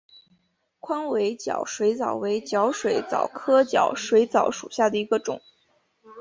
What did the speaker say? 宽尾角水蚤为角水蚤科角水蚤属下的一个种。